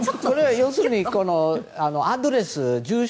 要するにアドレス、住所